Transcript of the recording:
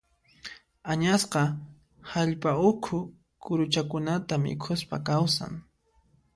Añasqa hallp'a ukhu kuruchakunata mikhuspa kawsan.